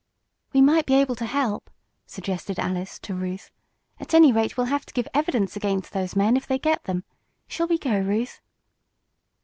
"We might be able to help," suggested Alice to Ruth. "At any rate, we'll have to give evidence against those men if they get them. Shall we go, Ruth?"